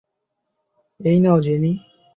এই নাও, জিনি।